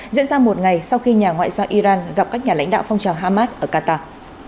diễn ra một ngày sau khi nhà ngoại giao iran gặp các nhà lãnh đạo phong trào hamas ở qatar